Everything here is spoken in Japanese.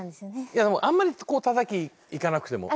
いやでもあんまりこう叩きにいかなくても。